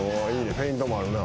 フェイントもあるな。